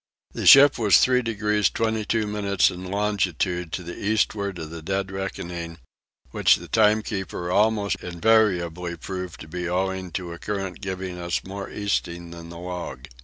The ship was 3 degrees 22 minutes in longitude to the eastward of the dead reckoning, which the timekeeper almost invariably proved to be owing to a current giving us more easting than the log.